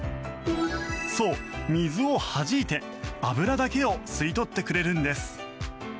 そう、水をはじいて油だけを吸い取ってくれるんです。